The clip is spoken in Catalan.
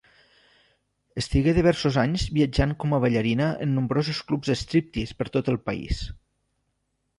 Estigué diversos anys viatjant com ballarina en nombrosos clubs de striptease per tot el país.